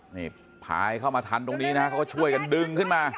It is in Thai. นี่พายเข้ามาทันตรงนี้นะเขาก็ช่วยกันดึงขึ้นมา